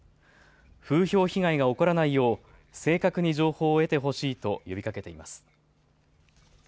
風評被害が起こらないよう正確に情報を得てほしいと呼びかけています。